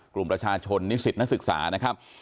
กลุ่มประชาชนนิสิตนักศึกษานะครับ